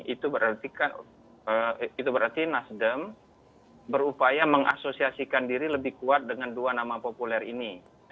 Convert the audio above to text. itu berarti nasdem berupaya mengasosiasikan diri lebih kuat dengan dua nama populer ini